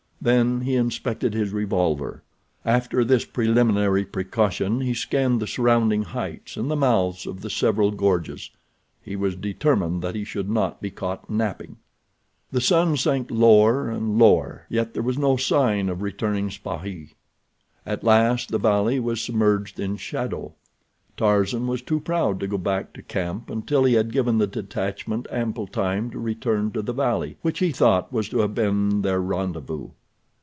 Then he inspected his revolver. After this preliminary precaution he scanned the surrounding heights and the mouths of the several gorges—he was determined that he should not be caught napping. The sun sank lower and lower, yet there was no sign of returning SPAHIS. At last the valley was submerged in shadow Tarzan was too proud to go back to camp until he had given the detachment ample time to return to the valley, which he thought was to have been their rendezvous.